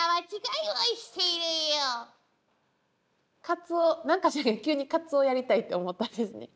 カツオ何か知らないけど急にカツオやりたいって思ったんですね。